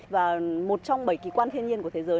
và một trong bảy kỳ quan thiên nhiên của thế giới